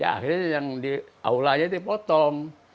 akhirnya yang di aula aja dipotong